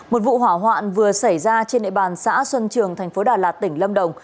một vụ hỏa hoạn vừa xảy ra trên địa bàn xã xuân trường thành phố đà lạt tỉnh lâm đồng